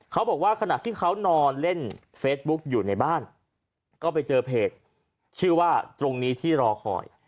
เขาบอกว่าขณะที่เขานอนเล่นเฟซบุ๊กอยู่ในบ้านก็ไปเจอเพจชื่อว่าตรงนี้ที่รอคอย